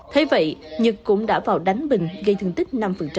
thế vậy nhật cũng đã vào đánh bình gây thương tích năm